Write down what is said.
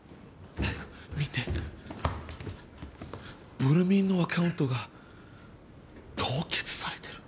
見てブル美のアカウントが凍結されてる！